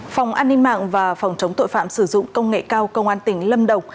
phòng an ninh mạng và phòng chống tội phạm sử dụng công nghệ cao công an tỉnh lâm đồng